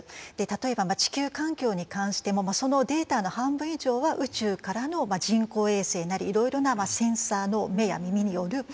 例えば地球環境に関してもそのデータの半分以上は宇宙からの人工衛星なりいろいろなセンサーの目や耳によるデータなんですよね。